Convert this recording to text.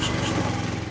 eh tunggu dulu kum